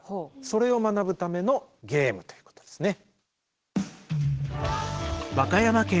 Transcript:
それを学ぶためのゲームということですね。